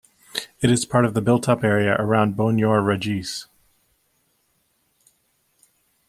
It is part of the built-up area around Bognor Regis.